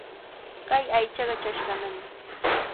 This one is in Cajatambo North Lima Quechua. Kay aychaqa chashqanami.